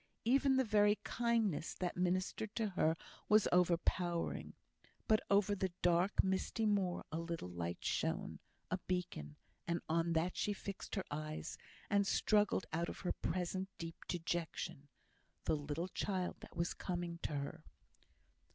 Even the very kindness that ministered to her was overpowering. But over the dark, misty moor a little light shone, a beacon; and on that she fixed her eyes, and struggled out of her present deep dejection the little child that was coming to her!